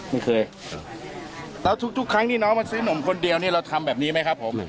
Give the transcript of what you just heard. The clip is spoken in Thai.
ไม่เคยแล้วทุกครั้งที่น้องมาซื้อนมคนเดียวนี่เราทำแบบนี้ไหมครับผม